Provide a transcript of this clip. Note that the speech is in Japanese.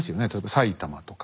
埼玉とか。